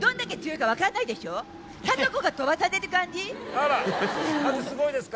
あら風すごいですか？